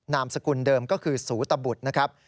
นามสกุลเดิมก็คือสูตบุตรนะครับ